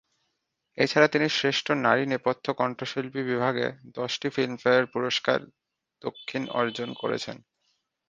এছাড়া তিনি শ্রেষ্ঠ নারী নেপথ্য কণ্ঠশিল্পী বিভাগে দশটি ফিল্মফেয়ার পুরস্কার দক্ষিণ অর্জন করেছেন।